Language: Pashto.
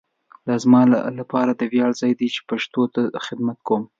دا زما لپاره د ویاړ ځای دی چي پښتو ته خدمت کوؤم.